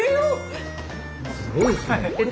すごいですね。